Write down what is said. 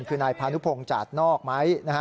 คือนายพานุพงศ์จาดนอกไหม